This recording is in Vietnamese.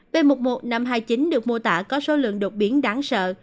b một một năm trăm hai mươi chín được mô tả có số lượng đột biến đáng sợ